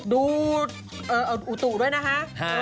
ดูอุตุด้วยนะฮะ